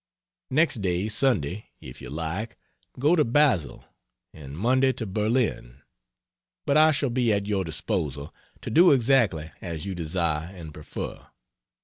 Next day (Sunday) if you like, go to Basel, and Monday to Berlin. But I shall be at your disposal, to do exactly as you desire and prefer.